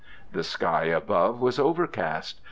The sky above was overcast.